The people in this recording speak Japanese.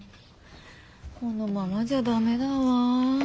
このままじゃダメだわ。